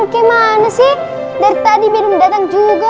gimana sih dari tadi belum datang juga